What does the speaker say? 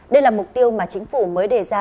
đây là mục tiêu mà chính phủ mới đề ra